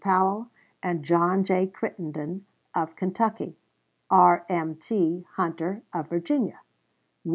Powell and John J. Crittenden, of Kentucky; R.M.T. Hunter, of Virginia; Wm.